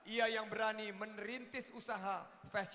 ia yang berani menerintis usaha fashion